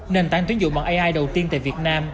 nền tảng tuyến dụng bằng ai đầu tiên tại việt nam